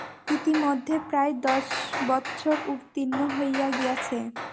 ইতিমধ্যে প্রায় দশ বৎসর উত্তীর্ণ হইয়া গিয়াছে।